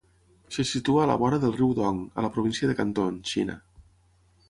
Se situa a la vora del Riu Dong a la Província de Canton, Xina.